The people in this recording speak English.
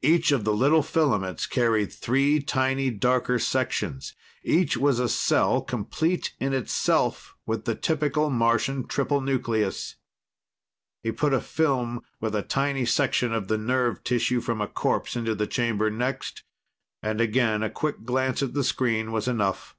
Each of the little filaments carried three tiny darker sections; each was a cell, complete in itself, with the typical Martian triple nucleus. He put a film with a tiny section of the nerve tissue from a corpse into the chamber next, and again a quick glance at the screen was enough.